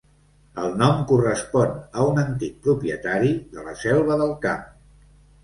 El nom correspon a un antic propietari de la Selva del Camp.